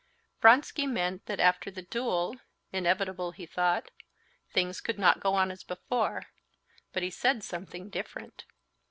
Vronsky meant that after the duel—inevitable, he thought—things could not go on as before, but he said something different.